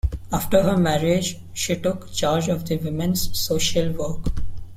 After her marriage she took charge of the women's social work.